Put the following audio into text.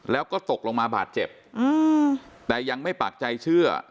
แล้วก็ตกลงมาบาดเจ็บแต่ยังไม่ปากใจเชื่อ